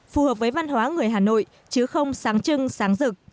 phù hợp với văn hóa người hà nội chứ không sáng trưng sáng rực